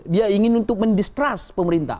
dia ingin untuk mendistrust pemerintah